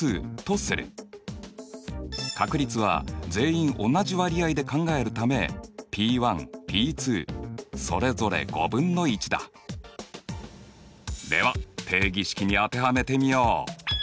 確率は全員同じ割合で考えるためｐｐそれぞれ５分の１だ。では定義式に当てはめてみよう。